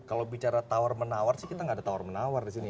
kalau bicara tawar menawar sih kita gak ada tawar menawar disini